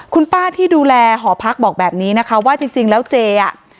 คุณป้าที่ดูแลหอพักบอกแบบนี้นะคะว่าจริงจริงแล้วเจอ่ะ